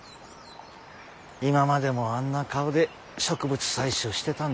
今までもあんな顔で植物採集してたんだな。